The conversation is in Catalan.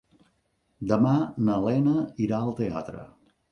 Demà na Lena irà al teatre.